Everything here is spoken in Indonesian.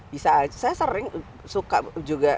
bisa saya sering suka juga